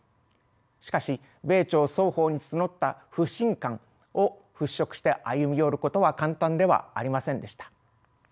しかし米朝双方に募った不信感を払拭して歩み寄ることは簡単ではありませんでした。